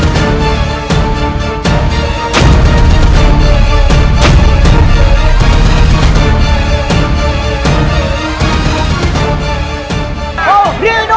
rai dendikian santang dipersilakan memasuki arena pertandingan